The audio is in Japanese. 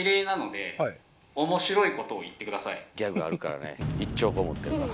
ギャグあるからね１兆個持ってるから。